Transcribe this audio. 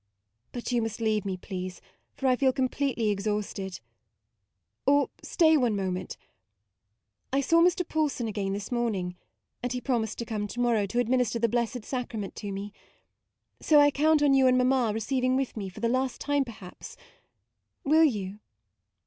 But you must leave me, please; for I feel completely ex hausted. Or stay one moment: I saw Mr. Paulson again this morning, and he promised to come to morrow to administer the Blessed Sacrament MAUDE 115 to me ; so I count on you and mamma receiving with me, for the last time perhaps : will you